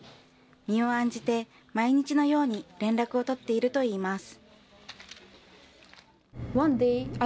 身を案じて、毎日のように連絡を取っているといいます。